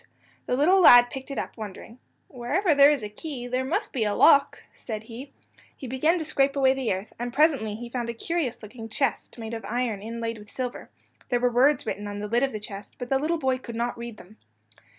The little lad picked it up, wondering. "Wherever there is a key, there must be a lock," he said. He began to scrape away the earth, and presently he found a curious looking chest made of iron inlaid with silver. There were words written on the lid of the chest, but the little boy could not read them.